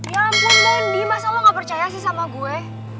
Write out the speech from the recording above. ya ampun dan di masa lo gak percaya sih sama gue